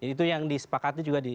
itu yang disepakati juga